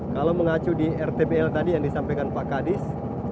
kalau mengacu di rtbl tadi yang disampaikan pak kadis